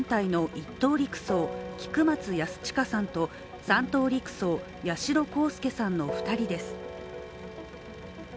１等陸曹菊松安親さんと３等陸曹、八代航佑さんの２人です。